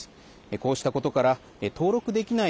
こうしたことから登録できない